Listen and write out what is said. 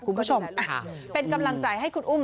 คุณผู้ชมเป็นกำลังใจให้คุณอุ้ม